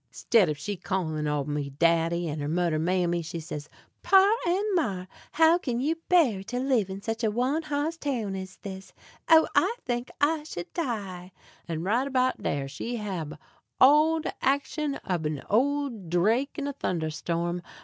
'Stead ob she call in' ob me "daddy" and her mudder "mammy," she say: "Par and mar, how can you bear to live in sech a one hoss town as this? Oh! I think I should die." And right about dar she hab all de actions ob an' old drake in a thunder storm.